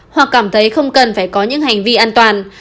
hoặc cảm thấy không cần phải có những hành vi an toàn